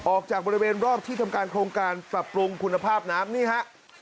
ออกจากบริเวณรอบที่ทำการโครงการปรับปรุงคุณภาพน้ำนี่ฮะ